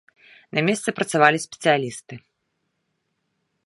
На месцы працавалі спецыялісты.